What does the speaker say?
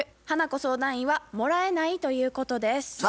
花子相談員は「もらえない」ということです。